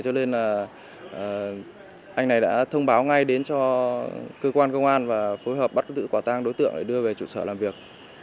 cho nên là anh này đã thông báo ngay đến cho cơ quan công an và phối hợp bắt giữ quả tang đối tượng để đưa về trụ sở làm việc